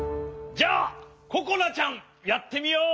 じゃあここなちゃんやってみよう！